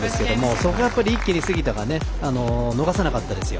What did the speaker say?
そこは一気に杉田が逃さなかったですよ。